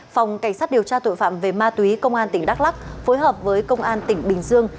phòng cảnh sát điều tra tội phạm về ma túy công an tỉnh đắk lắc phối hợp với công an tỉnh bình dương